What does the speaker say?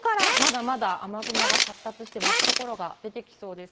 ここからまだまだ雨雲が発達して、湧く所が出てきそうです。